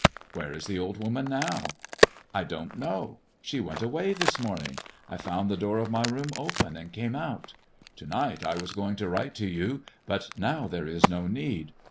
"Where is the old woman now 1 "" I don't know. She went away this morning. I found the door of my room open and came out. To night I was going to write to you, but now there is no need.